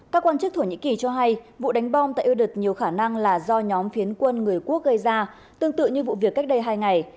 các quan chức thổ nhĩ kỳ cho hay vụ đánh bom tại udon nhiều khả năng là do nhóm phiến quân người quốc gây ra tương tự như vụ việc cách đây hai ngày